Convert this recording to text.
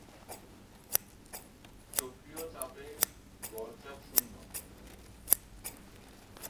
চক্রীয় চাপে গড় চাপ শূন্য।